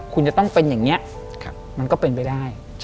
คุณจะต้องเป็นอย่างนี้มันก็เป็นไปได้